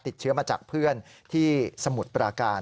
ติดเชื้อมาจากเพื่อนที่สมุทรปราการ